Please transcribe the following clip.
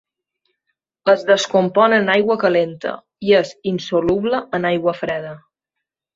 Es descompon en aigua calenta i és insoluble en aigua freda.